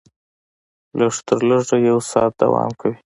لږ تر لږه یو ساعت دوام کوي.